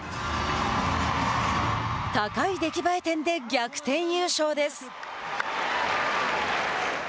高い出来栄え点で逆転優勝です。